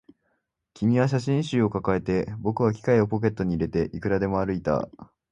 君は写真集を抱えて、僕は機械をポケットに入れて、いくらでも歩いた